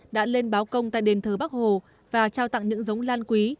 đã lên báo công tại đền thờ bắc hồ và trao tặng những giống lan quý